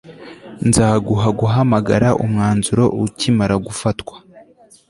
nzaguha guhamagara umwanzuro ukimara gufatwa